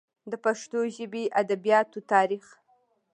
د پښتو ژبې ادبیاتو تاریخ